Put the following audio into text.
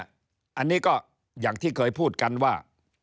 อันนี้ก็อย่างที่เคยพูดกันว่า